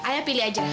ayah pilih aja lah